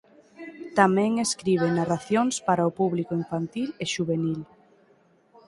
Tamén escribe narracións para o público infantil e xuvenil.